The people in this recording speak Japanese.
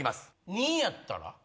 ２やったら？